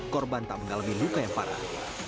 korban tak mengalami luka yang parah